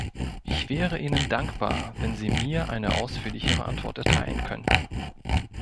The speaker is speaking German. Ich wäre Ihnen dankbar, wenn Sie mir eine ausführlichere Antwort erteilen könnten.